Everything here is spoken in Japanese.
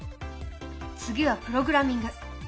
次はプログラミング。